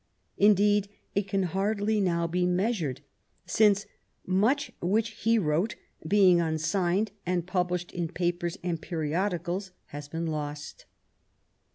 Indeed, it can hardly now be measured, since much which he wrote, being unsigned and published in papers and periodicals, has been lost.